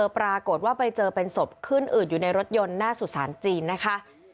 ปรากฏว่าไปเจอเป็นศพขึ้นอืดอยู่ในรถยนต์หน้าสุสานจีนนะคะ